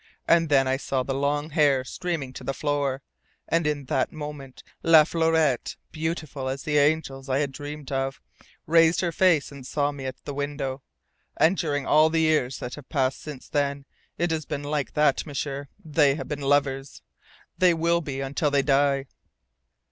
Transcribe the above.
And then I saw the long hair streaming to the floor, and in that moment La Fleurette beautiful as the angels I had dreamed of raised her face and saw me at the window. And during all the years that have passed since then it has been like that, M'sieur. They have been lovers. They will be until they die."